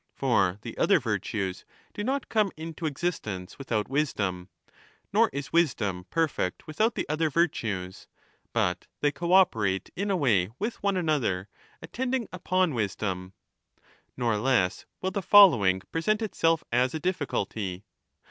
For the other virtues do not come into existence without wisdom, nor is wisdom perfect without the other virtues, but they co operate in a way with one another, 10 attending upon wisdom. Nor less will the following present itself as a difficulty.